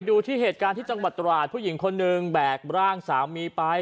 ดูที่เหตุการณ์ที่จังหวัดตราดผู้หญิงคนหนึ่งแบกร่างสามีไป